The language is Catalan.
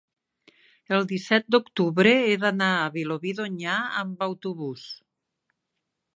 el disset d'octubre he d'anar a Vilobí d'Onyar amb autobús.